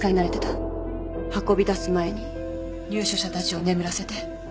運びだす前に入所者たちを眠らせて。